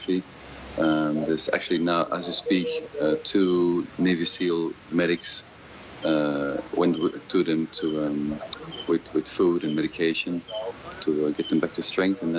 เพราะว่าพวกมันอยู่๒๓กิโลเมตรในสถานการณ์ของถ้ำที่สำคัญ